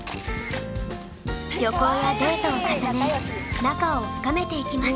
旅行やデートを重ね仲を深めていきます。